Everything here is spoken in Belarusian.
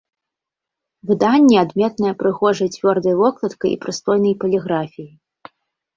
Выданне адметнае прыгожай цвёрдай вокладкай і прыстойнай паліграфіяй.